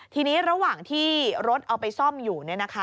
ทีนี้ระหว่างที่รถเอาไปซ่อมอยู่